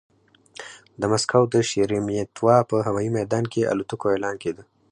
د مسکو د شېرېمېتوا په هوايي ميدان کې الوتکو اعلان کېده.